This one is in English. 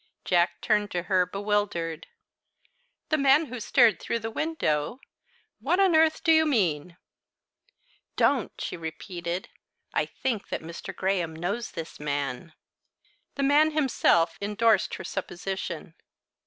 Jack turned to her, bewildered. "The man who stared through the window? What on earth do you mean?" "Don't!" she repeated. "I think that Mr. Graham knows this man." The man himself endorsed her supposition.